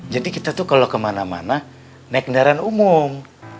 jadi kita tuh kalau kemana mana naik kendaraan umum